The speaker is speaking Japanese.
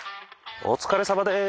お疲れさまです。